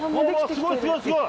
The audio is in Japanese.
すごいすごいすごい！